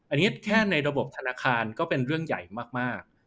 อันนี้แค่ในระบบธนาคารก็เป็นเรื่องใหญ่มาก